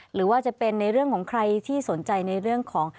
หรือว่าจะเป็นในเรื่องของใครที่สนใจในเรื่องของ